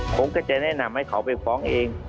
ผมก็จะแนะนำให้เขาไปฟ้องเอง